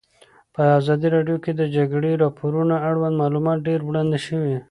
په ازادي راډیو کې د د جګړې راپورونه اړوند معلومات ډېر وړاندې شوي.